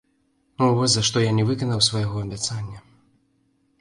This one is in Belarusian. Вось за што я не выканаў свайго абяцання.